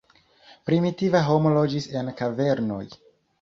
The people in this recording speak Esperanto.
Primitiva homo loĝis en kavernoj.